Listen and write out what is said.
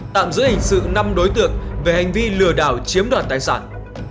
tạm giữ hình sự năm đối tượng về hành vi lừa đảo chiếm đoạt tài sản